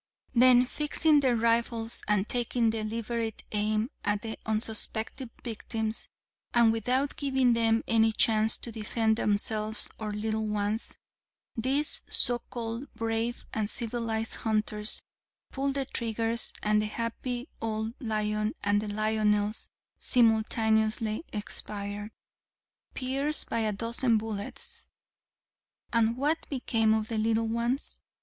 Then fixing their rifles and taking deliberate aim at the unsuspecting victims, and without giving them any chance to defend themselves or little ones, these so called brave and civilized hunters pulled the triggers and the happy old lion and the lioness simultaneously expired, pierced by a dozen bullets. And what became of the little ones?